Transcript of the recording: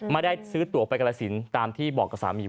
ไม่ได้ซื้อตัวไปกรสินตามที่บอกกับสามีไว้